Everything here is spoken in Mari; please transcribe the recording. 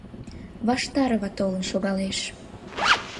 Ваштарова толын шогалеш.